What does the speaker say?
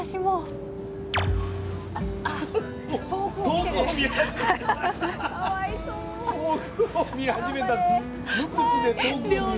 無口で遠くを見始めた。